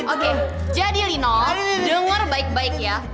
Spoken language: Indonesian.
oke jadi linol denger baik baik ya